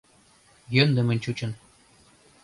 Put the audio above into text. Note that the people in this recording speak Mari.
— Йӧндымын чучын.